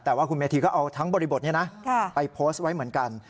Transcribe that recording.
แต่ว่าคุณเมธีก็เอาทั้งบริบทนี้นะไปโพสต์ไว้เหมือนกัน